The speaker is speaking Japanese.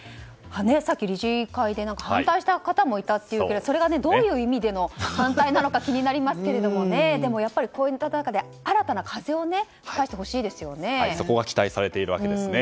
さっき理事会で反対した方もいたというけどそれがどういう意味での反対なのか気になりますけどこういった中で新たな風を吹かせてほしいですよね。